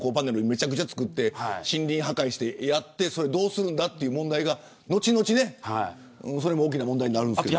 めちゃくちゃ作って森林破壊してやってそれがどうするのかという問題が後々大きな問題になるんですが。